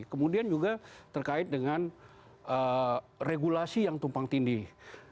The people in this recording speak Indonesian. kemudian juga terkait dengan regulasi yang tumpang tindih